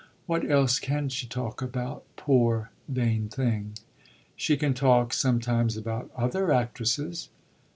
What else can she talk about, poor vain thing?" "She can talk sometimes about other actresses."